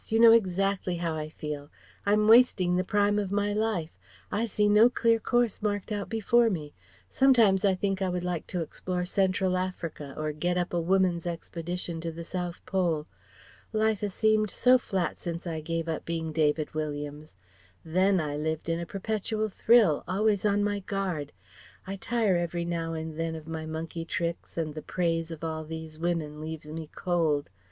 You know exactly how I feel. I'm wasting the prime of my life. I see no clear course marked out before me. Sometimes I think I would like to explore Central Africa or get up a Woman's Expedition to the South Pole. Life has seemed so flat since I gave up being David Williams. Then I lived in a perpetual thrill, always on my guard. I tire every now and then of my monkey tricks, and the praise of all these women leaves me cold.